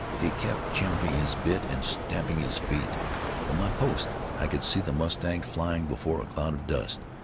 He kept champing his bit and stamping his feet. From my post I could see the mustangs flying before a cloud of dust.